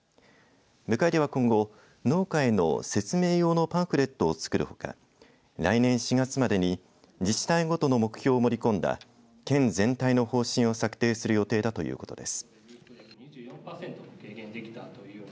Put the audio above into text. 部会では今後農家への説明用のパンフレットを作るほか来年４月までに自治体ごとの目標を盛り込んだ県全体の方針を策定する予定だということです。